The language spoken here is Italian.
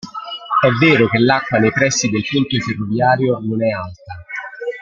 È vero che l'acqua, nei pressi del ponte ferroviario non è alta.